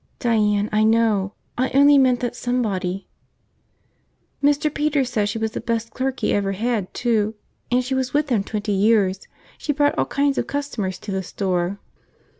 "Diane, I know! I only meant that somebody ..." "Mr. Peters said she was the best clerk he ever had, too. And she was with him twenty years! She brought all kinds of customers to the store!"